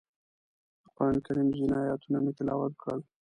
د قرانکریم ځینې ایتونه مې تلاوت کړل.